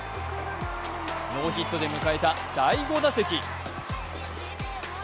ノーヒットで迎えた第５打席。